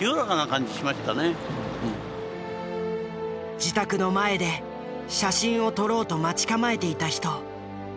自宅の前で写真を撮ろうと待ち構えていた人。